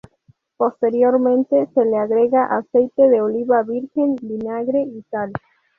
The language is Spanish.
Posteriormente se le agrega aceite de oliva virgen, vinagre y sal.